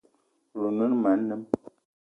Oloun o ne ma anem.